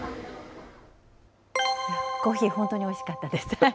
コーヒー、本当においしかったです。